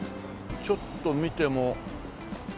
ちょっと見てもそうね。